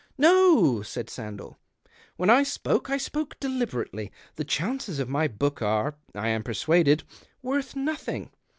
"No," said Sandell. "When I spoke, I spoke deliberately. The chances of my book are, I am persuaded, worth nothing.